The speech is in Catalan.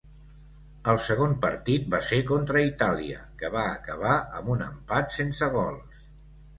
El segon partit va ser contra Itàlia, que va acabar amb un empat sense gols.